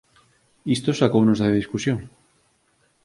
Isto sacounos da discusión.